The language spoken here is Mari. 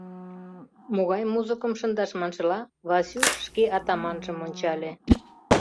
Могай музыкым шындаш маншыла, Васюш шке атаманжым ончале.